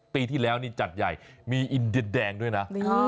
ปีที่แล้วนี่จัดใหญ่มีอินเดียแดงด้วยนะ